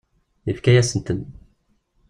Yefka-asen-ten.